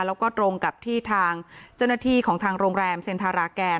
แล้วก็ตรงกับที่ทางเจ้าหน้าที่ของทางโรงแรมเซ็นทาราแกน